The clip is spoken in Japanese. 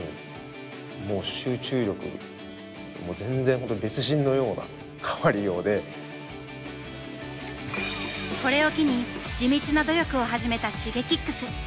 バトルしてやはりこうこれを機に地道な努力を始めたＳｈｉｇｅｋｉｘ。